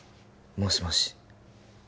もしもし